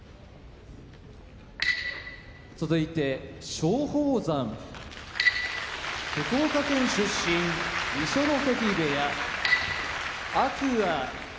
松鳳山福岡県出身二所ノ関部屋天空海